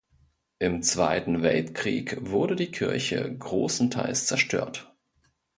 Im Zweiten Weltkrieg wurde die Kirche großenteils zerstört.